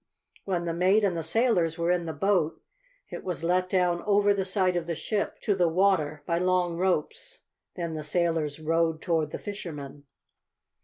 When the mate and the sailors were in the boat it was let down over the side of the ship to the water by long ropes. Then the sailors rowed toward the fishermen.